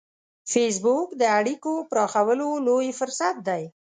فېسبوک د اړیکو پراخولو لوی فرصت دی